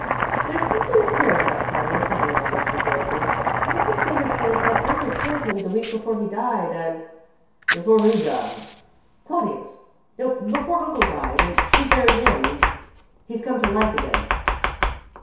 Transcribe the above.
"There's something queer about Claudius, anyway," ventured Dorothy. "Mrs. Smithers says that uncle killed him the week before he died, and " "Before who died?" "Claudius no, before uncle died, and she buried him, and he's come to life again."